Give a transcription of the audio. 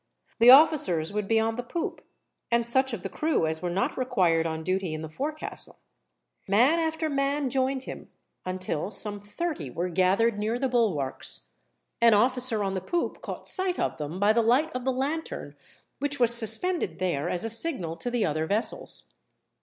The officers would be on the poop, and such of the crew as were not required on duty in the forecastle. Man after man joined him, until some thirty were gathered near the bulwarks. An officer on the poop caught sight of them by the light of the lantern, which was suspended there as a signal to the other vessels.